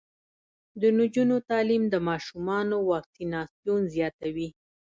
د نجونو تعلیم د ماشومانو واکسیناسیون زیاتوي.